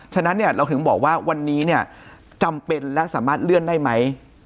ฉะนั้นเราถึงบอกว่าวันนี้จำเป็นและสามารถเลื่อนได้ไหม